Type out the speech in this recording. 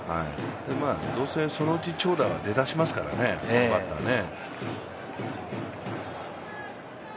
どうせそのうち長打は出だしますからね、このバッターはね。